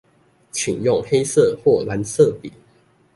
請用黑色或藍色筆